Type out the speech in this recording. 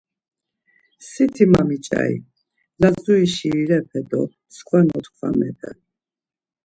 Siti ma miç̌ari; Lazuri şiirepe do mskva notkvamepe.